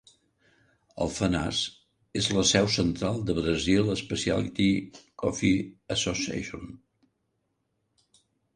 Alfenas és la seu central de Brazil Specialty Coffee Association.